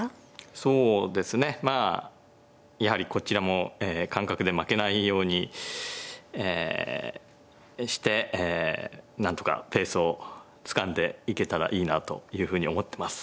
そうですねまあやはりこちらも感覚で負けないようにして何とかペースをつかんでいけたらいいなというふうに思ってます。